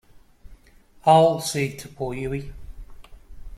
I'll see to poor Hughie.